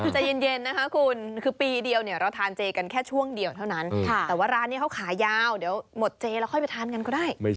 ใจเย็นนะคะคุณคือปีเดียวเนี่ยเราทานเจกันแค่ช่วงเดียวเท่านั้นแต่ว่าร้านนี้เขาขายาวเดี๋ยวหมดเจแล้วค่อยไปทานกันก็ได้